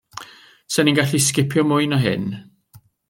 'Swn i'n gallu sgipio mwy na hyn.